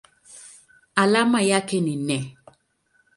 Alama yake ni Ne.